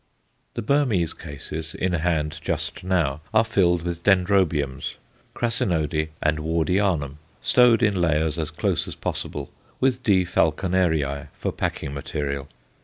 The Burmese cases in hand just now are filled with Dendrobiums, crassinode and Wardianum, stowed in layers as close as possible, with D. Falconerii for packing material.